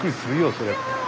そりゃ。